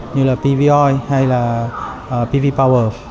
như là pvoi hay là pv power